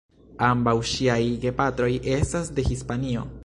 Ambaŭ ŝiaj gepatroj estas de Hispanio.